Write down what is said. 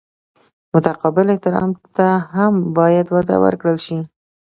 متقابل احترام ته هم باید وده ورکړل شي.